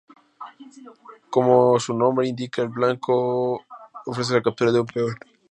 Como su nombre indica el blanco ofrece la captura de un peón.